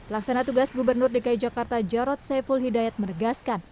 laksana tugas gubernur dki jakarta jarod saiful hidayat menegaskan